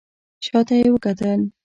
شا ته يې وکتل.